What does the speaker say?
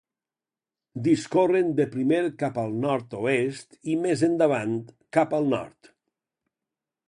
Discorren de primer cap al nord-oest i més endavant, cap al nord.